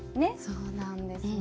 そうなんですね。